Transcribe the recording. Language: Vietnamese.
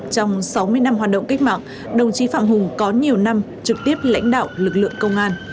trong sáu mươi năm hoạt động cách mạng đồng chí phạm hùng có nhiều năm trực tiếp lãnh đạo lực lượng công an